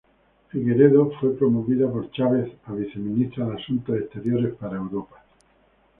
Figueredo fue promovida por Chávez a viceministra de Asuntos Exteriores para Europa.